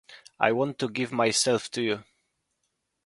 I want to give myself to you.